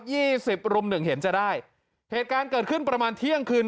สิบรุมหนึ่งเห็นจะได้เหตุการณ์เกิดขึ้นประมาณเที่ยงคืน